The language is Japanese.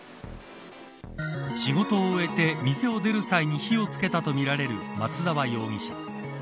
仕事を終えて店を出る際に火をつけたとみられる松沢容疑者。